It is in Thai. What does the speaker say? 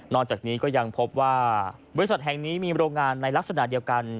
นอกจากนี้ก็ยังพบว่าบุรติศาสตร์แห่งนี้มีรงานในลักษณะเดียวกัน